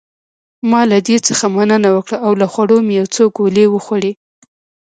ما له دې څخه مننه وکړ او له خوړو مې یو څو ګولې وخوړې.